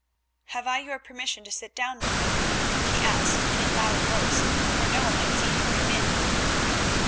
"Have I your permission to sit down, mother?" he asked in a loud voice, for no one had seen him come in.